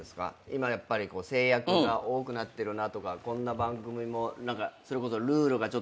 今やっぱり制約が多くなってるなとかこんな番組もそれこそルールがどんどん。